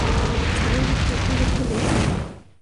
Здароўе крыху як бы лепш.